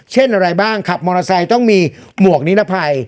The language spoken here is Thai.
เช่นอะไรบ้างขับมอเตอร์ไซค์ต้องมีหมวกนิรภัย